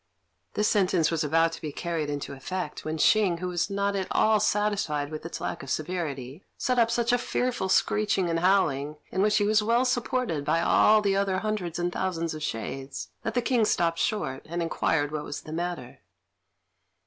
This sentence was about to be carried into effect, when Hsing, who was not at all satisfied with its lack of severity, set up such a fearful screeching and howling, in which he was well supported by all the other hundreds and thousands of shades, that the King stopped short, and inquired what was the matter.